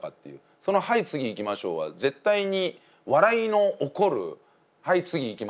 その「はい次いきましょう」は絶対に笑いの起こる「はい次いきましょう」ですから。